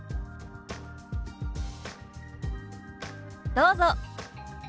どうぞ。